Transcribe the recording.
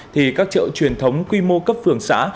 thì các chợ truyền thống quy mô cấp phường xã